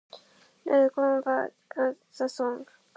We hear "Les corons" sung by the public at the end of halftime song.